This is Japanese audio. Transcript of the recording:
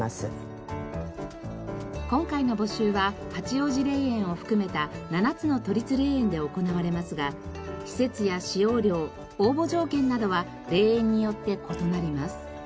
今回の募集は八王子霊園を含めた７つの都立霊園で行われますが施設や使用料応募条件などは霊園によって異なります。